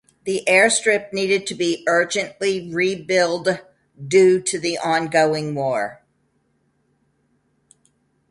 The airstrip needed to be urgently rebuild due to the ongoing war.